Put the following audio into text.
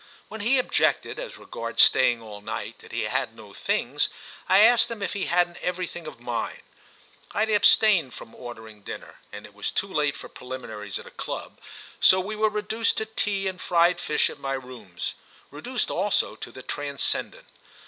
When he objected, as regards staying all night, that he had no things, I asked him if he hadn't everything of mine. I had abstained from ordering dinner, and it was too late for preliminaries at a club; so we were reduced to tea and fried fish at my rooms—reduced also to the transcendent.